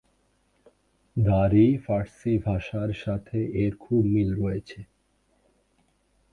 দারি Farsi ভাষার সাথে এর খুব মিল রয়েছে।